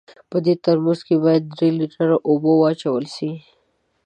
په دې ترموز کې باید درې لیټره اوبه واچول سي.